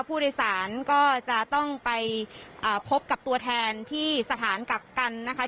ผู้โดยสารก็จะต้องไปพบกับตัวแทนที่สถานกักกันนะคะ